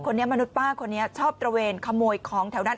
มนุษย์ป้าคนนี้ชอบตระเวนขโมยของแถวนั้น